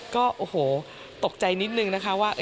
ก็โอ้โหตกใจนิดนึงนะคะว่า